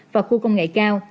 và khu công nghệ cao